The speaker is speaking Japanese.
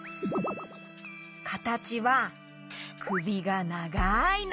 かたちはくびがながいの。